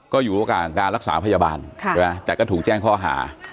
ก็อยู่ระหว่างการรักษาพยาบาลใช่ไหมแต่ก็ถูกแจ้งข้อหา